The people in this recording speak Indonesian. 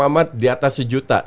mama mamat di atas sejuta